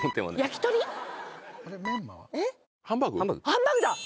ハンバーグ？